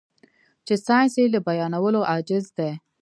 چې ساينس يې له بيانولو عاجز دی.